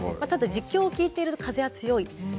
ただ、実況を聞いていると風は強いと。